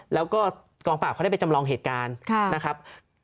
แล้วก็กองปราบเขาได้ไปจำลองเหตุการณ์นะครับ